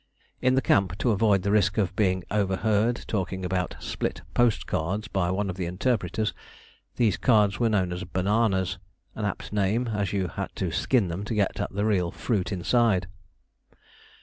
In the camp, to avoid the risk of being overheard talking about "split post cards" by one of the interpreters, these cards were known as "bananas" an apt name, as you had to skin them to get at the real fruit inside!